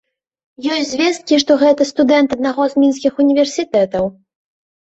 Ёсць звесткі, што гэта студэнт аднаго з мінскіх універсітэтаў.